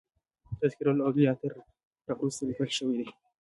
تذکرة الاولیاء تر را وروسته لیکل شوی دی.